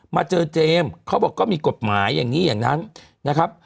มาเจอเจมส์เขาบอกก็มีกฎหมายอย่างนี้อย่างนั้นนะครับ